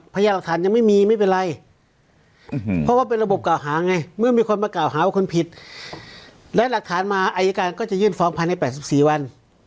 พยายามหลักฐานยังไม่มีไม่เป็นไรเพราะว่าเป็นระบบกล่าวหาไงเมื่อมีคนมากล่าวหาว่าคนผิดและหลักฐานมาอายการก็จะยื่นฟ้องภายใน๘๔วัน